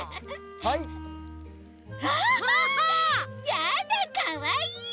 やだかわいい！